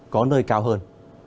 có nơi cao hơn